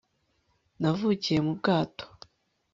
Navukiye mu bwato